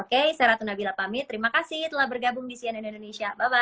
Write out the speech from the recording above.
saya ratu nabila pamit terima kasih telah bergabung di cnn indonesia bye bye